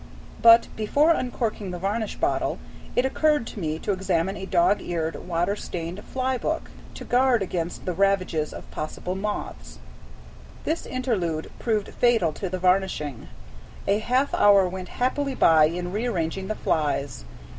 But before uncorking the varnish bottle, it occurred to me to examine a dog eared, water stained fly book, to guard against the ravages of possible moths. This interlude proved fatal to the varnishing. A half hour went happily by in rearranging the flies.